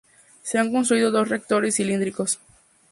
Se han construido dos reactores cilíndricos.